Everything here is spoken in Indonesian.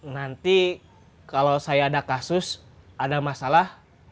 nanti kalau saya ada kasus ada masalah